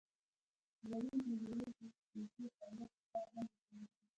غوړې د زړه د تېزې فعالیت لپاره هم ګټورې دي.